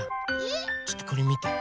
ちょっとこれみて？